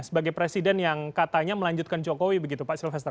sebagai presiden yang katanya melanjutkan jokowi begitu pak silvasta